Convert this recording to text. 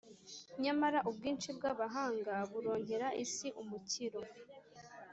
Nyamara ubwinshi bw’abahanga buronkera isi umukiro,